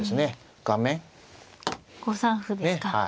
５三歩ですか。